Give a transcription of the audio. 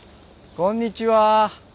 こんにちは。